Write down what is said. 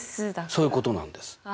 そういうことなんです。